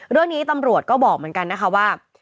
เรื่องนี้ตำรวจก็บอกเหมือนกันนะคะว่า